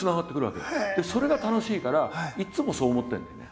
それが楽しいからいっつもそう思ってるんだよね。